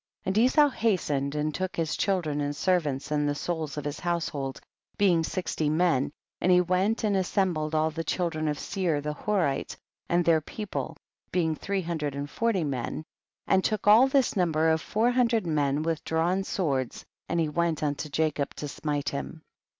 65. And Esau hastened and took his children and servants and the souls of his household, heiyig sixty men, and he went and assembled all the children of Seir the Horite and their people, being three hundred and forty men, and took all this num ber of four hundred men with drawn swords, and he went unto Jacob to smite him.